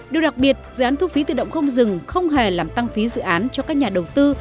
điều đặc biệt dự án thu phí tự động không dừng không hề làm tăng phí dự án cho các nhà đầu tư